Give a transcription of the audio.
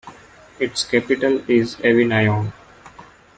Its capital is Evinayong.